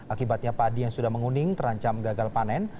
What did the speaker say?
akibatnya padi yang sudah menguning terancam gagal panen